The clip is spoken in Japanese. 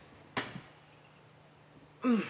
うん。